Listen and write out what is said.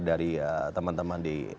dari teman teman di